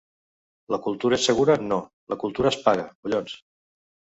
La cultura és segura, no, la cultura es paga, collons.